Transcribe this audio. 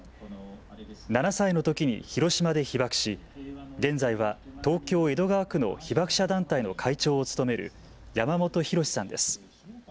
７歳のときに広島で被爆し現在は東京江戸川区の被爆者団体の会長を務める山本宏さんです。